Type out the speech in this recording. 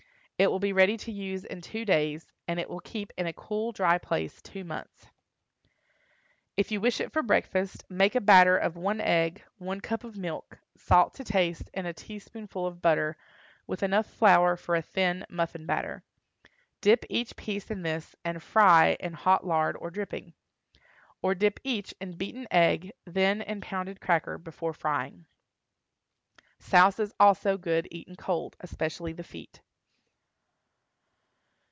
It will be ready to use in two days, and will keep in a cool, dry place two months. If you wish it for breakfast, make a batter of one egg, one cup of milk, salt to taste, and a teaspoonful of butter, with enough flour for a thin muffin batter; dip each piece in this, and fry in hot lard or dripping. Or dip each in beaten egg, then in pounded cracker, before frying. Souse is also good eaten cold, especially the feet.